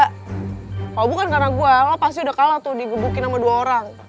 kalau bukan karena gue pasti udah kalah tuh digebukin sama dua orang